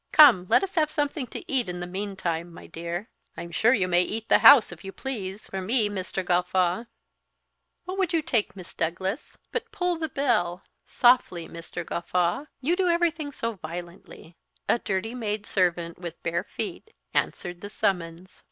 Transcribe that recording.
"Come, let us have something to eat in the meantime, my dear." "I'm sure you may eat the house, if you please, for me, Mr. Gawffaw! What would you take, Miss Douglas? But pull the bell softly, Mr. Gawffaw! You do everything so violently." A dirty maid servant, with bare feet, answered the summons.